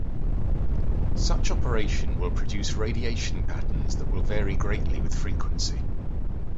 Such operation will produce radiation patterns that will vary greatly with frequency.